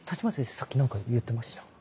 さっき何か言ってました？